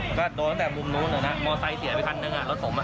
ก็ตดหัวผมตั๋วหัวไปงั้นเบียงมอสไซค์เสียวันหนึ่ง๒๐๑๖